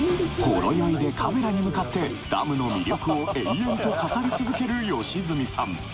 ほろ酔いでカメラに向かってダムの魅力を延々と語り続ける良純さん